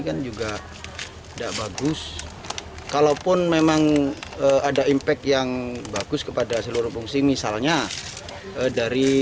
kan juga enggak bagus kalaupun memang ada impact yang bagus kepada seluruh fungsi misalnya dari